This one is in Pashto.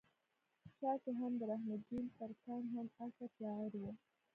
خشاکے هم د رحم الدين ترکاڼ هم عصر شاعر وو